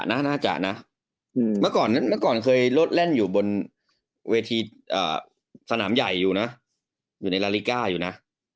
น่าจะนะเมื่อก่อนเมื่อก่อนเคยรถแล่นอยู่บนเวทีสนามใหญ่อยู่นะอยู่ในลาลิก้าอยู่นะ